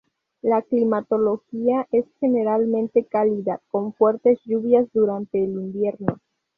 La climatología es generalmente cálida, con fuertes lluvias durante el invierno.